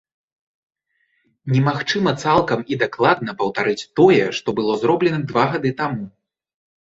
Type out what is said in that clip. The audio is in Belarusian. Немагчыма цалкам і дакладна паўтарыць тое, што было зроблена два гады таму.